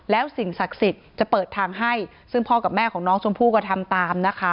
แล้วสิ่งศักดิ์สิทธิ์จะเปิดทางให้ซึ่งพ่อกับแม่ของน้องชมพู่ก็ทำตามนะคะ